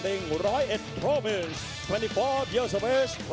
ยินดีกว่าเรามีการการจัดการ